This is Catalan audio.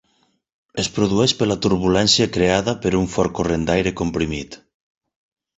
Es produeix per la turbulència creada per un fort corrent d'aire comprimit.